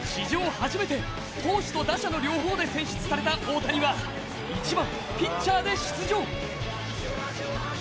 初めて投手と打者の両方で選出された大谷は１番ピッチャーで出場。